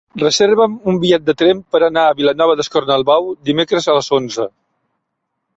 Reserva'm un bitllet de tren per anar a Vilanova d'Escornalbou dimecres a les onze.